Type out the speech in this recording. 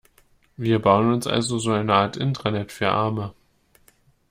Wir bauen uns also so eine Art Intranet für Arme.